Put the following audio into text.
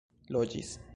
loĝis